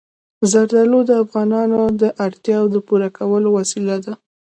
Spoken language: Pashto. زردالو د افغانانو د اړتیاوو د پوره کولو وسیله ده.